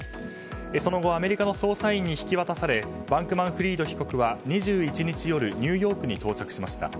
その後、アメリカの捜査員に引き渡されバンクマンフリード被告は２１日夜ニューヨークに到着しました。